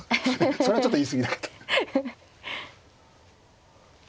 それはちょっと言い過ぎだけど。